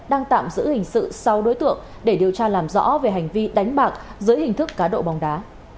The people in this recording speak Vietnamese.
đang tạm giữ hình sự sau đối tượng để điều tra làm rõ về hành vi đánh bạc dưới hình thức cá độ bóng đá